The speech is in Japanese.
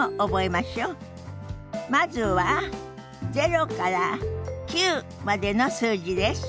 まずは０から９までの数字です。